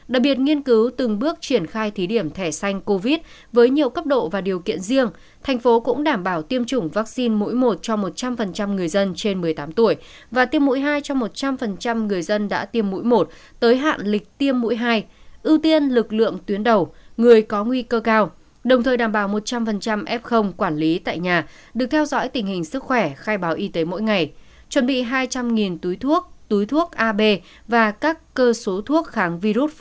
đặc biệt nghiên cứu từng bước triển khai thí điểm thẻ xanh covid với nhiều cấp độ và điều kiện riêng thành phố cũng đảm bảo tiêm chủng vaccine mũi một cho một trăm linh người dân trên một mươi tám tuổi và tiêm mũi hai cho một trăm linh người dân đã tiêm mũi một tới hạn lịch tiêm mũi hai ưu tiên lực lượng tuyến đầu người có nguy cơ cao đồng thời đảm bảo một trăm linh f quản lý tại nhà được theo dõi tình hình sức khỏe khai báo y tế mỗi ngày chuẩn bị hai trăm linh túi thuốc túi thuốc ab và các cơ số thuốc kháng virus